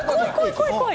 怖い、怖い。